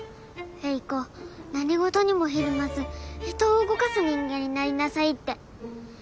「英子何事にもひるまず人を動かす人間になりなさい」って。